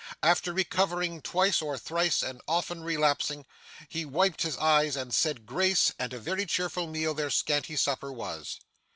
After recovering twice or thrice, and as often relapsing, he wiped his eyes and said grace; and a very cheerful meal their scanty supper was.